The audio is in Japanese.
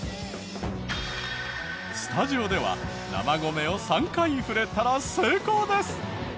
スタジオでは生米を３回振れたら成功です。